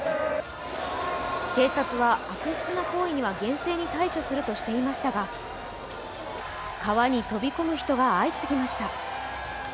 警察は悪質な行為には厳正に対処するとしていましたが、川に飛び込む人が相次ぎました。